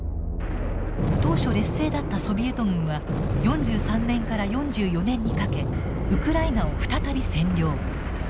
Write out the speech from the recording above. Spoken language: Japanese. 当初劣勢だったソビエト軍は４３年から４４年にかけウクライナを再び占領。